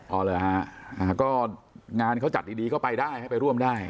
พอเลยฮะอ่าก็งานเขาจัดดีดีเข้าไปได้ให้ไปร่วมได้